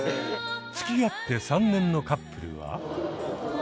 つきあって３年のカップルは。